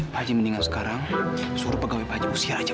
pak haji mendingan sekarang suruh pegawai pak haji usir aja